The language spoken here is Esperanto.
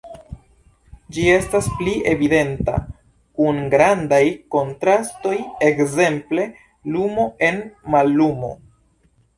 Ĝi estas pli evidenta kun grandaj kontrastoj, ekzemple lumo en mallumo.